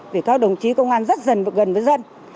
vì các đồng chí công an rất dần gần với dân